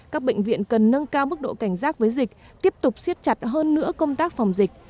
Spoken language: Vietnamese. các bệnh viện cần nâng cao mức độ cảnh giác với dịch tiếp tục siết chặt hơn nữa công tác phòng dịch